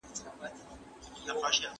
ماشوم په خپلو کوچنیو پښو منډې وهلې.